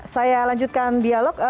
saya lanjutkan dialog